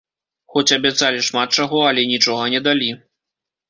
Хоць абяцалі шмат чаго, але нічога не далі.